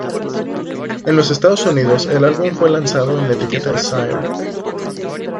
En los Estados Unidos, el álbum fue lanzado en la etiqueta de Sire.